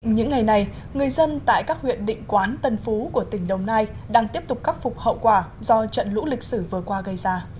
những ngày này người dân tại các huyện định quán tân phú của tỉnh đồng nai đang tiếp tục khắc phục hậu quả do trận lũ lịch sử vừa qua gây ra